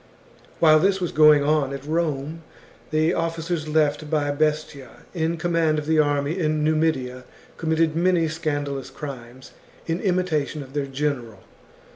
While this was going on at Rome, the officers left by Bestia in command of the army in Numidia com mitted many scandalous crimes in imitation of their general.